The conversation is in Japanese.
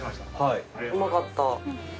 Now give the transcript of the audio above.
うまかった。